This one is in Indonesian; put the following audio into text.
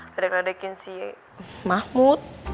kedek kedekin si mahmud